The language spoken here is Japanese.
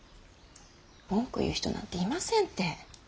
文句言う人なんていませんて。